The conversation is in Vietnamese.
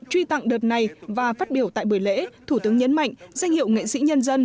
truy tặng đợt này và phát biểu tại buổi lễ thủ tướng nhấn mạnh danh hiệu nghệ sĩ nhân dân